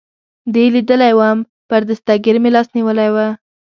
دې لیدلی ووم، پر دستګیر مې لاس نیولی و.